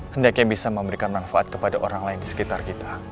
hendaknya bisa memberikan manfaat kepada orang lain di sekitar kita